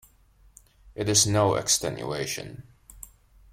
It is no extenuation.